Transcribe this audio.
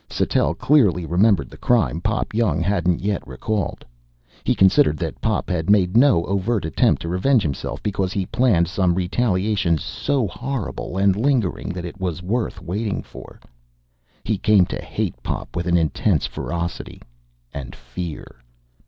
Sattell clearly remembered the crime Pop Young hadn't yet recalled. He considered that Pop had made no overt attempt to revenge himself because he planned some retaliation so horrible and lingering that it was worth waiting for. He came to hate Pop with an insane ferocity. And fear.